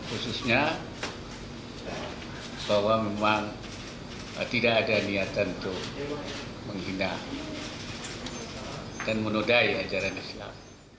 khususnya bahwa memang tidak ada niatan untuk menghina dan menodai ajaran islam